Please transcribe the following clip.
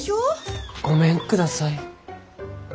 ごめんください。